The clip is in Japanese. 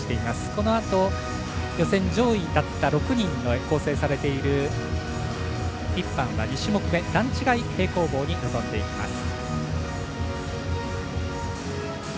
このあと予選上位だった６人で構成されている１班は２種目め段違い平行棒に臨んでいきます。